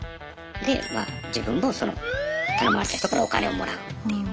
でまあ自分もその頼まれた人からお金をもらうっていう。